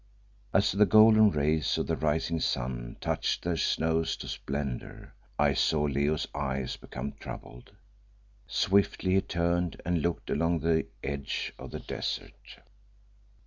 As the golden rays of the rising sun touched their snows to splendour, I saw Leo's eyes become troubled. Swiftly he turned and looked along the edge of the desert.